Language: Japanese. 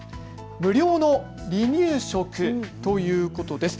無料の離乳食ということです。